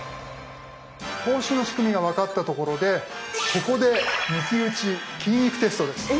投資の仕組みが分かったところでここで抜き打ち金育テストです。